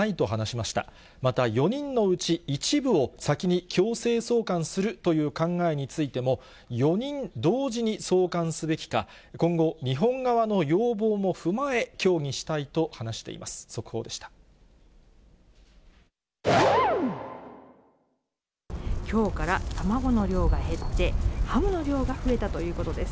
また、４人のうち一部を先に強制送還するという考えについても、４人同時に送還すべきか、今後、日本側の要望も踏まえ協議したいと話しています。